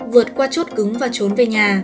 vượt qua chốt cứng và trốn về nhà